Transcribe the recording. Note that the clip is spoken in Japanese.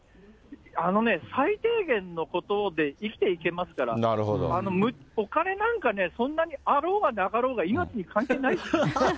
あのね、最低限のことで生きていけますから、お金なんかね、そんなにあろうがなかろうが命に関係ないです。